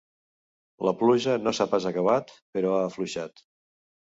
La pluja no s’ha pas acabat, però ha afluixat.